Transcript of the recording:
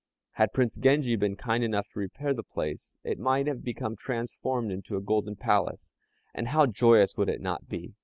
Had Prince Genji been kind enough to repair the place, it might have become transformed into a golden palace, and how joyous would it not be?